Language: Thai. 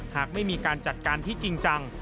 หากไม่มีการจัดการที่จริงจัง